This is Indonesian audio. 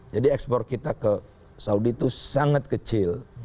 jadi ekspor kita ke saudi itu sangat kecil